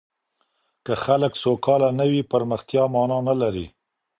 که خلګ سوکاله نه وي، پرمختيا مانا نلري.